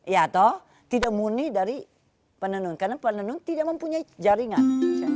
ya toh tidak murni dari penenun karena penenun tidak mempunyai jaringan